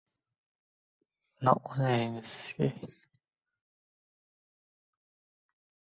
Tarbiya va odat haqida maqollar.